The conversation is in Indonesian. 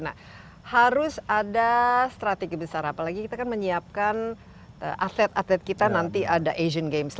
nah harus ada strategi besar apalagi kita kan menyiapkan atlet atlet kita nanti ada asian games